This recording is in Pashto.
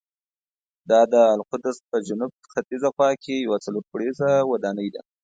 دا د القدس په جنوب ختیځه خوا کې یوه څلور پوړیزه ودانۍ ده.